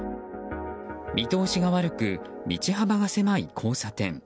見通しが悪く道幅が狭い交差点。